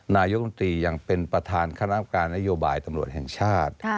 นายกรรมตรียังเป็นประธานคณะกรรมการนโยบายตำรวจแห่งชาติ